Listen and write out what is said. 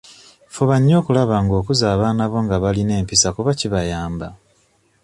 Fuba nnyo okulaba nga okuza abaana bo nga balina empisa kuba kibayamba.